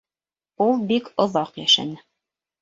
Ул бик оҙаҡ йәшәне.